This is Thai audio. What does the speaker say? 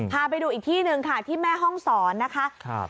พาไปดูอีกที่หนึ่งค่ะที่แม่ห้องศรนะคะ